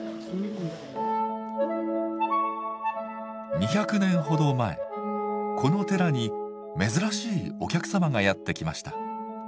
２００年ほど前この寺に珍しいお客様がやってきました。